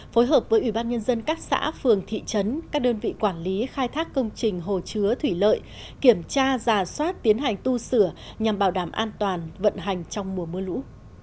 phối hợp với ủy ban nhân dân các xã phường thị trấn các đơn vị quản lý khai thác công trình hồ chứa thủy lợi kiểm tra giả soát tiến hành tu sửa nhằm bảo đảm an toàn vận hành trong mùa mưa lũ